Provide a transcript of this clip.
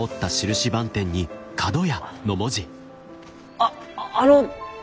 あっあの！